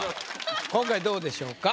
今回どうでしょうか？